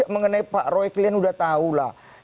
mengenai pak roy kalian udah tau lah